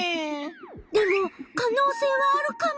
でも可能性はあるカモ。